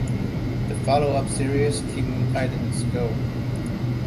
The follow-up series, Teen Titans Go!